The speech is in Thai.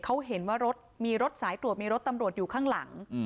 เขาเห็นว่ารถมีรถสายตรวจมีรถตำรวจอยู่ข้างหลัง